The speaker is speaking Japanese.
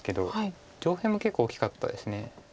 上辺も結構大きかったです。